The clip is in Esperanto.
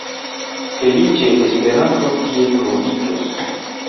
Feliĉe Esperanto tie troviĝos.